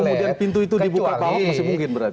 tapi kalau pintu itu dibuka pak ahok masih mungkin berarti